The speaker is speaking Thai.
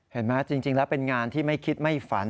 จริงแล้วเป็นงานที่ไม่คิดไม่ฝัน